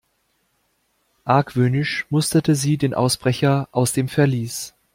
Argwöhnisch musterte sie den Ausbrecher aus dem Verlies.